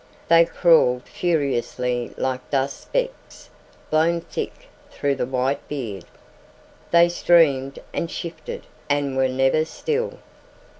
They crawled furiously like dust specks blown thick through the white beard. They streamed and shifted and were never still.